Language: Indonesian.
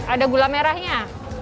ada gula merahnya